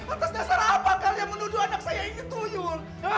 atas dasar apa kalian menuduh anak saya ini tuyul